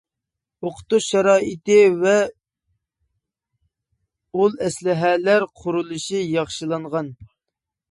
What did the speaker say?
ئوقۇتۇش شارائىتى ۋە ئۇل ئەسلىھەلەر قۇرۇلۇشى ياخشىلانغان.